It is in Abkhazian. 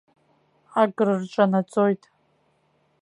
Акрырҿанаҵоит.